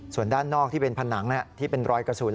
ส่วนด้านนอกที่เป็นผนังที่เป็นรอยกระสุน